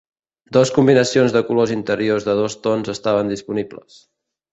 Dos combinacions de colors interiors de dos tons estaven disponibles.